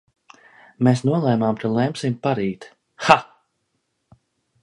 Mēs nolēmām, ka lemsim parīt... ha!